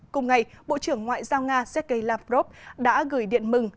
cùng ngày bộ trưởng ngoại giao nga sergei lavrov đã gửi điện mừng